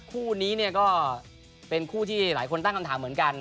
คู่นี้เนี่ยก็เป็นคู่ที่หลายคนตั้งคำถามเหมือนกัน